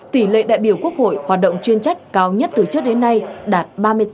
tỷ lệ đại biểu quốc hội hoạt động chuyên trách cao nhất từ trước đến nay đạt ba mươi tám